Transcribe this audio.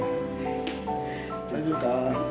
大丈夫か？